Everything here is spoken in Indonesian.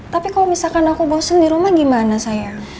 tapi kalau misalkan aku bosen di rumah gimana saya